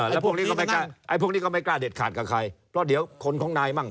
แล้วพวกนี้ก็ไม่กล้าเด็ดขาดกับใครเพราะเดี๋ยวเป็นคนในมั่ง